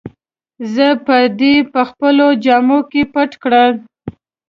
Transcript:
زه به دي په خپلو جامو کي پټ کړم.